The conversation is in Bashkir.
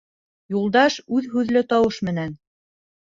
Юлдаш үҙ һүҙле тауыш менән: